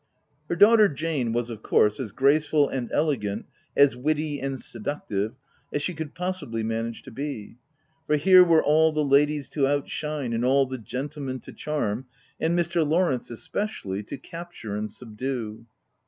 Her daughter Jane was, of course, as graceful 64 THE TENANT and elegant, as witty and seductive as she could possibly manage to be ; for here were all the ladies to outshine, and all the gentlemen to charm, — and Mr. Lawrence, especially, to cap ture and subdue.